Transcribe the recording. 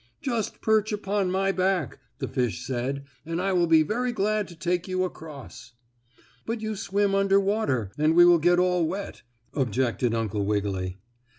"Just perch upon my back," the fish said, "and I will be very glad to take you across." "But you swim under water, and we will get all wet," objected Uncle Wiggily.